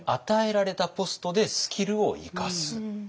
与えられたポストでスキルを生かす。